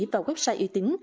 và website uy tín